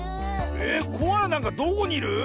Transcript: えっコアラなんかどこにいる？